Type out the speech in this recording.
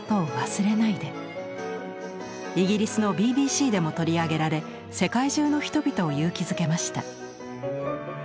イギリスのＢＢＣでも取り上げられ世界中の人々を勇気づけました。